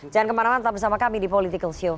jangan kemarauan tetap bersama kami di politikalshow